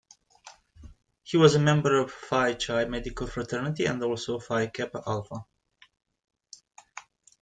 He was a member of Phi Chi medical fraternity and also Phi Kappa Alpha.